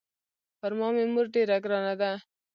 پر ما مې مور ډېره ګرانه ده.